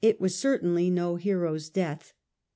was Certainly no hero's death.